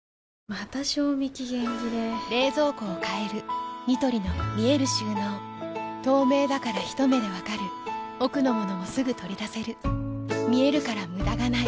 また賞味期限切れ冷蔵庫を変えるニトリの見える収納透明だからひと目で分かる奥の物もすぐ取り出せる見えるから無駄がないよし。